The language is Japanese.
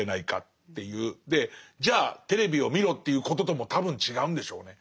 でじゃあテレビを見ろっていうこととも多分違うんでしょうね。